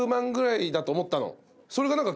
それが何か。